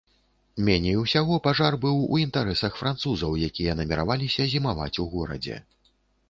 Меней усяго пажар быў у інтарэсах французаў, якія намерваліся зімаваць у горадзе.